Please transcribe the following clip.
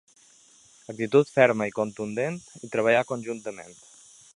Actitud ferma i contundent, i treballar conjuntament.